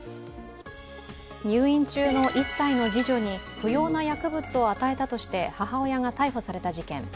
入院中の１歳の次女に不要な薬物を与えたとして母親が逮捕された事件。